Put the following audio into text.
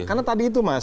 karena tadi itu mas